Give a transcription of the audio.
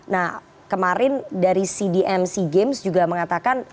nah kemarin dari cdmc games juga mengatakan